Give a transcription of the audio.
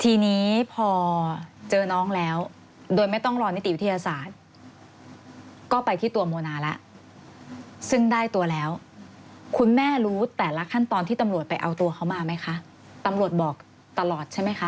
ทีนี้พอเจอน้องแล้วโดยไม่ต้องรอนิติวิทยาศาสตร์ก็ไปที่ตัวโมนาแล้วซึ่งได้ตัวแล้วคุณแม่รู้แต่ละขั้นตอนที่ตำรวจไปเอาตัวเขามาไหมคะตำรวจบอกตลอดใช่ไหมคะ